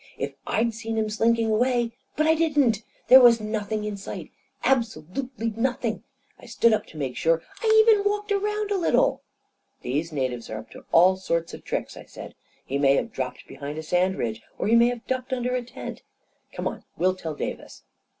If I'd seen him slinking away — but I didn't! There was nothing in sight — absolutely nothing — I stood up to make sure — I even walked around a little ..•" I2 4 A KING IN BABYLON " These natives are up to all sorts of tricks," I said. " He may have dropped behind a sand ridge — or he may have ducked under the tent. Come on — we'll tell Davis."